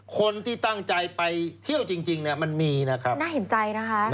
คนที่ตั้งใจไปเที่ยวจริงเนี่ยมันมีนะครับน่าเห็นใจนะคะ